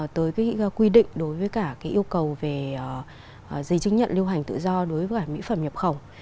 tới cái quy định đối với cả yêu cầu về giấy chứng nhận lưu hành tự do đối với mỹ phẩm nhập khẩu